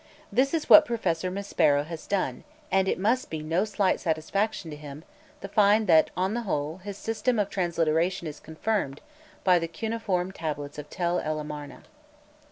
This is what Professor Maspero has done, and it must be no slight satisfaction to him to find that on the whole his system of transliteration is confirmed by the cuneiform tablets of Tel el Amarna.